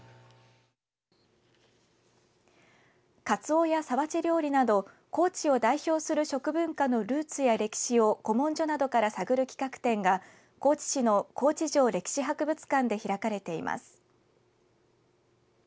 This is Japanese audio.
かつおや皿鉢料理など高知を代表する食文化のルーツや歴史を古文書などから探る企画展が高知市の高知城歴史博物館で開かれています。